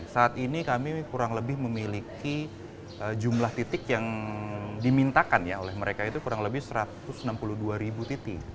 saat ini kami kurang lebih memiliki jumlah titik yang dimintakan ya oleh mereka itu kurang lebih satu ratus enam puluh dua ribu titik